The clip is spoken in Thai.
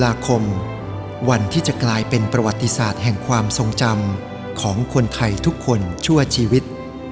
ลาคมวันที่จะกลายเป็นประวัติศาสตร์แห่งความทรงจำของคนไทยทุกคนชั่วชีวิต